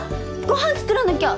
ご飯作らなきゃ。